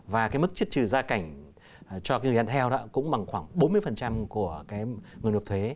và cái mức chất trừ gia cảnh cho người đàn theo đó cũng bằng khoảng bốn mươi của người nộp thuế